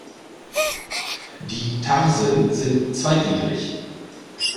Die Tarsen sind zweigliedrig.